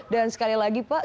dan sekali lagi pak